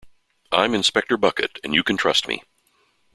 I'm Inspector Bucket, and you can trust me.